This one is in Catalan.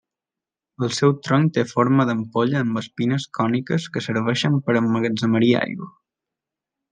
El seu tronc té forma d'ampolla amb espines còniques que serveixen per emmagatzemar-hi aigua.